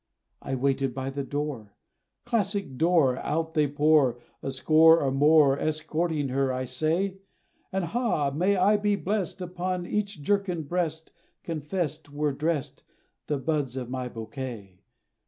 I waited by the door, Classic door! out they pour, A score, Or more, Escorting her, I say! And ha! may I be blest, Upon each jerkin breast, Confest, Were drest, The buds of my bouquet!